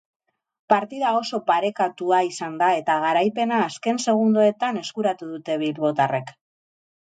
Partida oso parekatua izan da eta garaipena azken segundoetan eskuratu dute bilbotarrek.